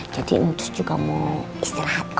jadi mutus juga mau istirahat oke